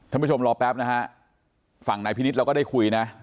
ท่านผู้ชมรอแป๊บนะฮะฝั่งนายพินิษฐ์เราก็ได้คุยนะ